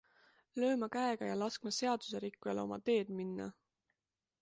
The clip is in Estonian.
Lööma käega ja laskma seaduserikkujal oma teed minna?